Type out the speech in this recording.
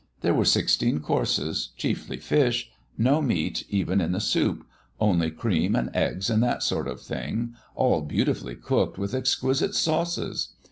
There were sixteen courses, chiefly fish, no meat even in the soup, only cream and eggs and that sort of thing, all beautifully cooked with exquisite sauces.